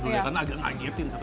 karena agak ngeagetin setan setan